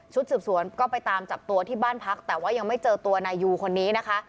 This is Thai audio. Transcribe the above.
สืบสวนก็ไปตามจับตัวที่บ้านพักแต่ว่ายังไม่เจอตัวนายยูคนนี้นะคะ